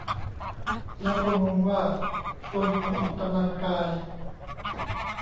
แล้วก็งงว่า "ชวนคนออกกำลังกาย"